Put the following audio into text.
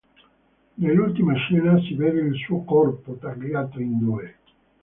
Nell'ultima scena si vede il suo corpo tagliato in due.